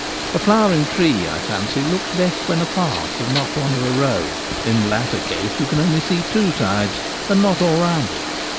A flowering tree, I fancy, looks best when apart and not one of a row. In the latter case you can only see two sides and not all round it.